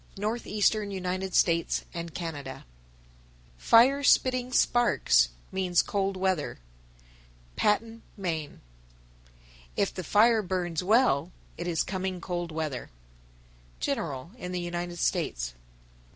Northeastern United States and Canada. 931. Fire spitting sparks means cold weather. Patten, Me. 932. If the fire burns well, it is coming cold weather. _General in the United States.